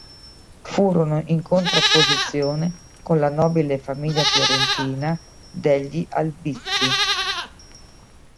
Furono in contrapposizione con la nobile famiglia fiorentina degli Albizzi.